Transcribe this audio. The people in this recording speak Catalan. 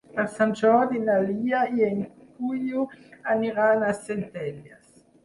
Per Sant Jordi na Lia i en Guiu aniran a Centelles.